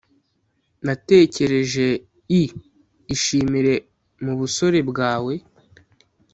natekereje i: ishimire mubusore bwawe